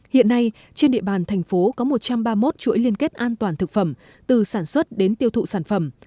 hiện nay trên địa bàn thành phố có một trăm ba mươi một chuỗi liên kết an toàn thực phẩm từ sản xuất đến tiêu thụ sản phẩm